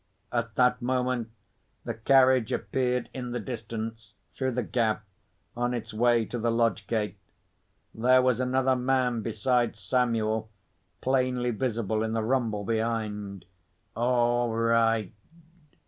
At that moment, the carriage appeared in the distance, through the gap, on its way to the lodge gate. There was another man, besides Samuel, plainly visible in the rumble behind. "All right!"